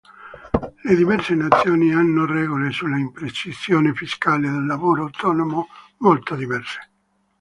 Le diverse nazioni hanno regole sull'imposizione fiscale del lavoro autonomo molto diverse.